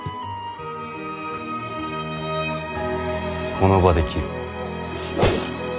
この場で斬る。